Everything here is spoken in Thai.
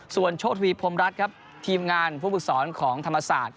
ส่วนโชธวีพรมรัฐครับทีมงานผู้ฝึกสอนของธรรมศาสตร์